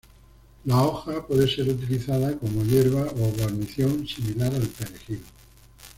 La hoja puede ser utilizada como hierba o guarnición similar al perejil.